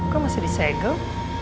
kok masih di segel